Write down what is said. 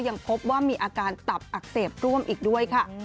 ยังพบว่ามีอาการตับอักเสบร่วมอีกด้วยค่ะ